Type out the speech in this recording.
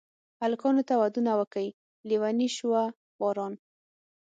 الکانو ته ودونه وکئ لېوني شوه خواران.